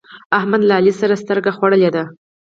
احمد له علي سره سترګه خوړلې ده.